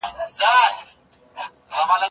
پاکوالی وکړه؟